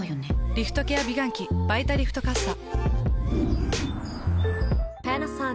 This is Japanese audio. リフトケア美顔器「バイタリフトかっさ」。